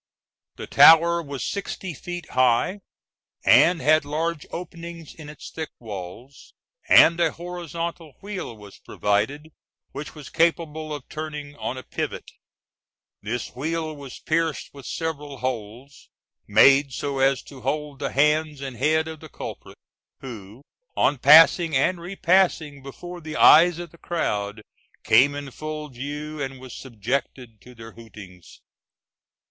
The tower was sixty feet high, and had large openings in its thick walls, and a horizontal wheel was provided, which was capable of turning on a pivot. This wheel was pierced with several holes, made so as to hold the hands and head of the culprit, who, on passing and repassing before the eyes of the crowd, came in full view, and was subjected to their hootings (Fig.